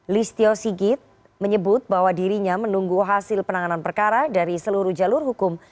listio sigit menyebut bahwa dirinya menunggu hasil penanganan perkara dari seluruh jalur hukum